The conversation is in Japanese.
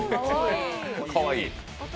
かわいい。